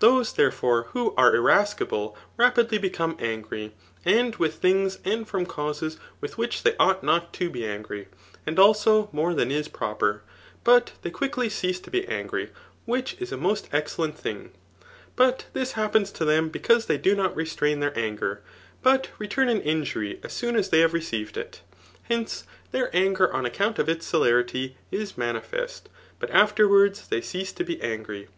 lliose^ dierefore, wlu> are urasdble rs^idly become angry, and ivith diings and from causes with which they ought not to be angry, and also more than is proper; but they quickly cease to be angry, which is a most excellent thing* But this happens to them because they do not restrain theur anger, but return an injury as soon as they hsLYB received it. Hence their anger, on account <^ its celerity, is manifest; but afterwards they cease to be angry.